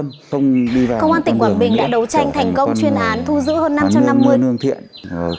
công an tỉnh quảng bình đã đấu tranh thành công chuyên án thu giữ hơn năm trăm năm mươi